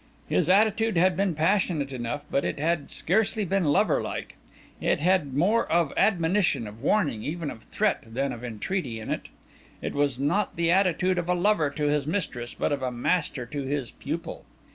His attitude had been passionate enough, but it had scarcely been lover like. It had more of admonition, of warning, even of threat, than of entreaty in it. It was not the attitude of a lover to his mistress, but of a master to his pupil.